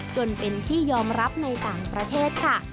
จนเป็นที่ยอมรับในต่างประเทศค่ะ